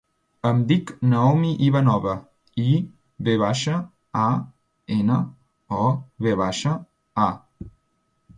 Em dic Naomi Ivanova: i, ve baixa, a, ena, o, ve baixa, a.